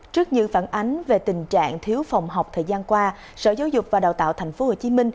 trước những phản ánh về tình trạng thiếu phòng học thời gian qua sở giáo dục và đào tạo tp hcm